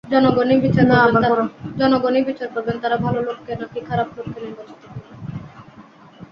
জনগণই বিচার করবেন তাঁরা ভালো লোককে, নাকি খারাপ লোককে নির্বাচিত করবেন।